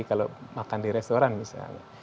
kalau makan di restoran misalnya